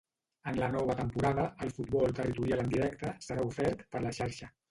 En la nova temporada, el futbol territorial en directe serà ofert per La Xarxa.